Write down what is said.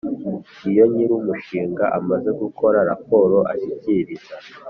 Iyo nyir umushinga amaze gukora raporo ashyikiriza